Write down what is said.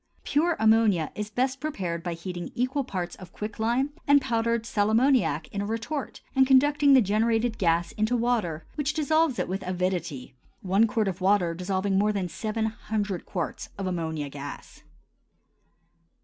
Pure ammonia is best prepared by heating equal parts of quicklime and powdered sal ammoniac in a retort, and conducting the generated gas into water which dissolves it with avidity, one quart of water dissolving more than seven hundred quarts of ammonia gas.